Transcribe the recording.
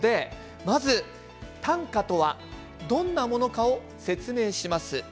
まず短歌とは、どんなものかを説明します。